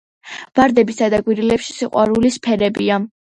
ვარდებსა და გვირილებში სიყვარულის ფერებია.